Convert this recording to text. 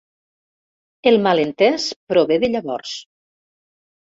El malentès prové de llavors.